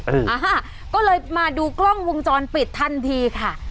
อ่าก็เลยมาดูกล้องวงจรปิดทันทีค่ะ